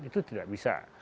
itu tidak bisa